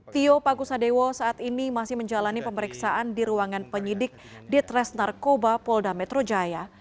tio pakusadewo saat ini masih menjalani pemeriksaan di ruangan penyidik di tres narkoba polda metro jaya